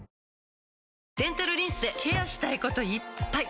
デンタルリンスでケアしたいこといっぱい！